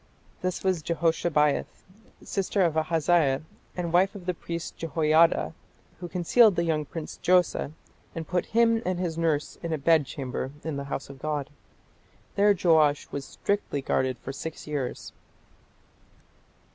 This was Jehoshabeath, sister of Ahaziah and wife of the priest Jehoiada, who concealed the young prince Joash "and put him and his nurse in a bedchamber", in "the house of God". There Joash was strictly guarded for six years.